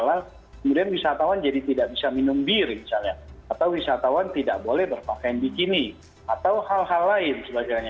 yang mungkin estimasi ini lebih gimana dan beberapa giaudah halal di sini